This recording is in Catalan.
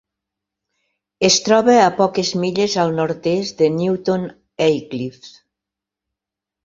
Es troba a poques milles al nord-est del Newton Aycliffe.